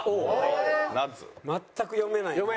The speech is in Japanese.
全く読めないね。